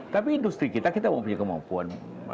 tapi industri kita kita mempunyai kemampuan